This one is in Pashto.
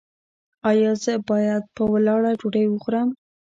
ایا زه باید په ولاړه ډوډۍ وخورم؟